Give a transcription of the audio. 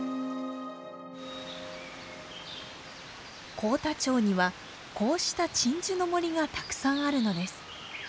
幸田町にはこうした鎮守の森がたくさんあるのです。